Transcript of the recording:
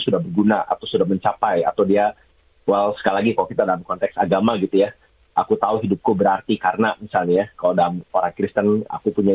dan mencuaikan kesempatan kamera